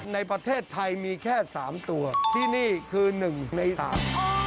ในประเทศไทยมีแค่สามตัวที่นี่คือหนึ่งในสาม